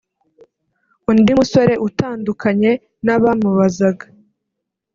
undi musore utandukanye n’abamubazaga